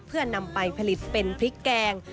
เพื่อนำไปผลิตเป็นพริกแกง